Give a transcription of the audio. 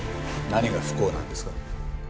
何が不幸なんですか？